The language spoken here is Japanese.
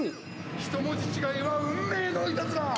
一文字違いは運命のいたずら！